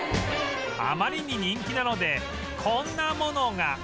あまりに人気なのでこんなものが